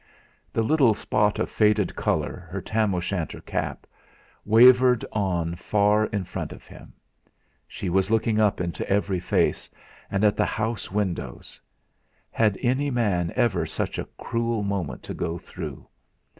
The little spot of faded colour, her tam o' shanter cap, wavered on far in front of him; she was looking up into every face, and at the house windows. Had any man ever such a cruel moment to go through?